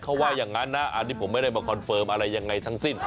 เขาว่าอย่างนั้นนะอันนี้ผมไม่ได้มาคอนเฟิร์มอะไรยังไงทั้งสิ้น